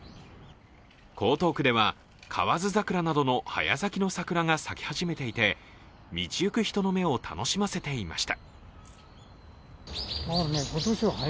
江東区では、河津桜などの早咲きの桜が咲き始めていて道行く人の目を楽しませていました。